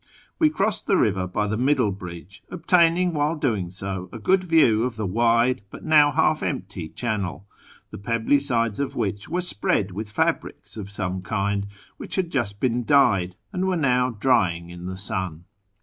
We crossed the river by the middle bridge, obtaining while doing so a good view of the wide but now half empty channel, the pebbly sides of which were spread with fabrics of some kind, which had just l^een dyed, and were now drying in the sun.